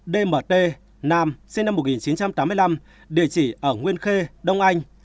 dmt nam sinh năm một nghìn chín trăm tám mươi năm địa chỉ ở nguyên khê đông anh